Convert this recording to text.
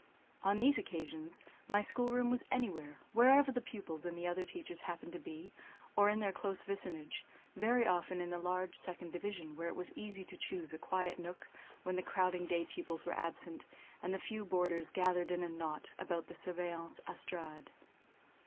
On these occasions my schoolroom was anywhere, wherever the pupils and the other teachers happened to be, or in their close vicinage, very often in the large second division, where it was easy to choose a quiet nook when the crowding day pupils were absent, and the few boarders gathered in a knot about the surveillante's estrade.